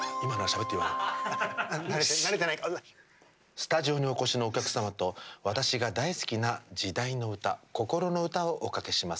スタジオにお越しのお客様と私が大好きな時代の歌心の歌をおかけします。